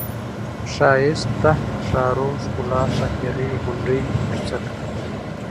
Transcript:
ښايسته ، ښارو ، ښکلا ، ښاپيرۍ ، غونډۍ ، غورځکه ،